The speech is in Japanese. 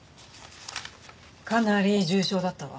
かなり重傷だったわ。